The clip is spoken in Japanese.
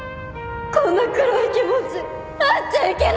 こんな黒い気持ちあっちゃいけないのに！